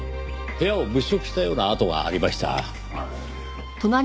部屋を物色したような跡がありました。